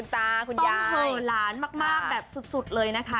ต้องเหลอหลานมากแบบสุดเลยนะคะ